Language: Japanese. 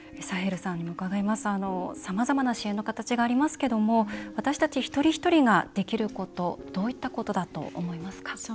さまざまな支援の形がありますけれども私たち一人一人ができることどういうことだと思いますか？